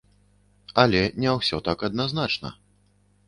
Але не ўсё так адназначна.